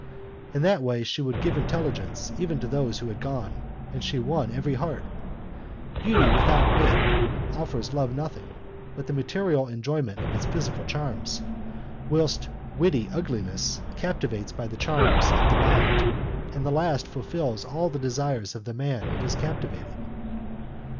In that way she would give intelligence even to those who had none, and she won every heart. Beauty without wit offers love nothing but the material enjoyment of its physical charms, whilst witty ugliness captivates by the charms of the mind, and at last fulfils all the desires of the man it has captivated.